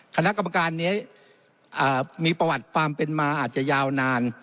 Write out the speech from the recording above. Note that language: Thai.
คณะกรรมการนี้มีประวัติความเป็นมาอาจจะยาวนาน